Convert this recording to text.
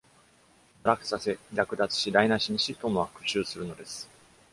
堕落させ、略奪し、台無しにし、トムは復讐するのです。